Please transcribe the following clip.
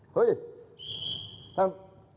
เฮ้ยท่าน